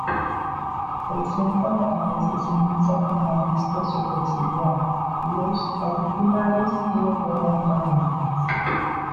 Presenta la cabeza ceniza con la lista superciliar, los auriculares y a garganta blancas.